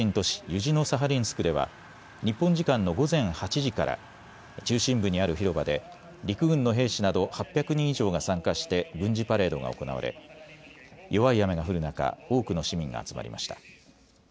ユジノサハリンスクでは日本時間の午前８時から中心部にある広場で陸軍の兵士など８００人以上が参加して軍事パレードが行われ弱い雨が降る中、多くの市民が集まりました。